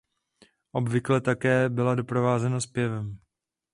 Obvykle také byla doprovázena zpěvem.